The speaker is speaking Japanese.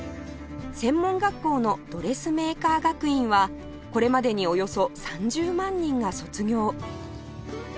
専門学校のドレスメーカー学院はこれまでにおよそ３０万人が卒業